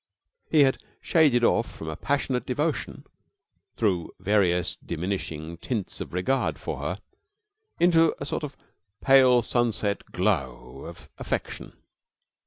He had shaded off from a passionate devotion, through various diminishing tints of regard for her, into a sort of pale sunset glow of affection.